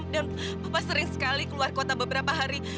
dan papa sering sekali keluar kota beberapa hari